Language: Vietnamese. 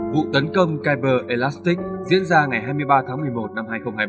vụ tấn công kyper elastic diễn ra ngày hai mươi ba tháng một mươi một năm hai nghìn hai mươi ba